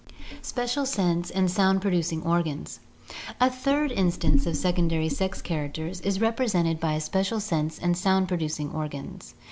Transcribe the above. Special Sense and Sound producing Organs.— A third in stance of secondary sex characters is represented by special sense and sound producing organs.